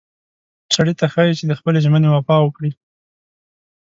سړي ته ښایي چې د خپلې ژمنې وفا وکړي.